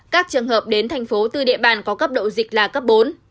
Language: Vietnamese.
các trường hợp đến thành phố từ địa bàn có cấp độ dịch là cấp bốn